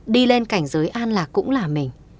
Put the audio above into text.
đi lên cảnh giới an lạc cũng là mình